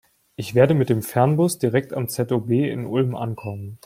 Ich werde mit dem Fernbus direkt am ZOB in Ulm ankommen.